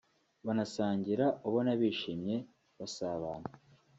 banasangira ubona bishimye basabana